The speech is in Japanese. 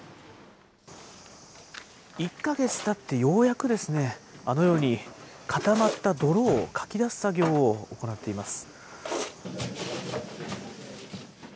１か月たって、ようやくですね、あのように固まった泥をかき出す作業を行っています。